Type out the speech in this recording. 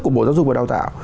của bộ giáo dục và đào tạo